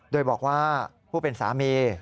โดยบอกว่าผู้เป็นสามี